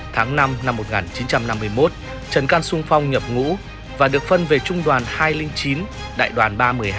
tháng năm năm một nghìn chín trăm năm mươi một trần can sung phong nhập ngũ và được phân về trung đoàn hai trăm linh chín đại đoàn ba trăm một mươi hai